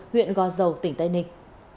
huyện go dầu tỉnh tây ninh